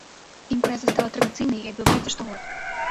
Імпрэза стала традыцыйнай і адбываецца штогод.